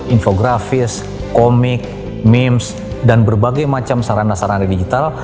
infografis komik memes dan berbagai macam sarana sarana digital